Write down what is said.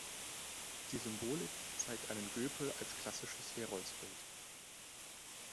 Die Symbolik zeigt einen Göpel als klassisches Heroldsbild.